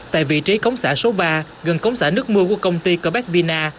tại vị trí cống xã số ba gần cống xã nước mưa của công ty quebec vina